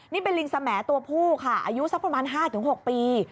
นี่เป็นลิงสมตัวผู้ค่ะอายุสักประมาณ๕๖ปี